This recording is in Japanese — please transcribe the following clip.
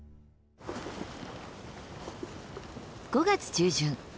５月中旬